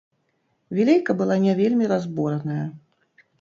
Вілейка была не вельмі разбураная.